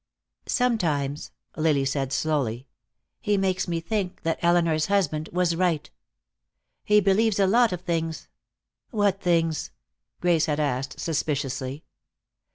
"Sometimes," Lily said slowly, "he makes me think Aunt Elinor's husband was right. He believes a lot of things " "What things?" Grace had asked, suspiciously.